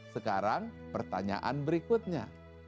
sekarang pertanyaan berikutnya